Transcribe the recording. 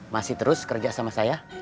masih terus kerja sama saya